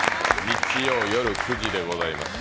日曜夜９時でございます。